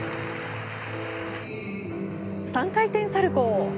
３回転サルコウ。